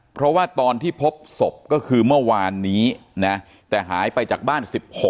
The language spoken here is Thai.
เพราะว่าตอนที่พบศพก็คือเมื่อวานนี้นะแต่หายไปจากบ้าน๑๖